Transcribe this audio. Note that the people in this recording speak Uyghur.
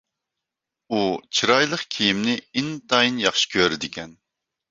ئۇ چىرايلىق كىيىمنى ئىنتايىن ياخشى كۆرىدىكەن،